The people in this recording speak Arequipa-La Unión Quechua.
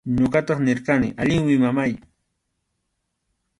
Ñuqataq nirqani: allinmi, mamáy.